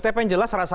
tapi yang jelas